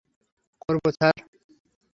করব, স্যার।